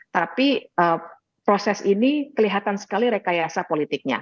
tapi proses ini kelihatan sekali rekayasa politiknya